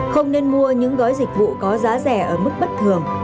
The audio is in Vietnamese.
không nên mua những gói dịch vụ có giá rẻ ở mức bất thường